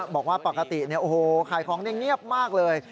บอกว่าปกติขายของได้เงียบมากเลย